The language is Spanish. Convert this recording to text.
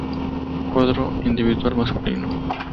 Cuadro Individual Masculino